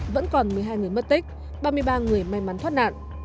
vẫn còn một mươi hai người mất tích ba mươi ba người may mắn thoát nạn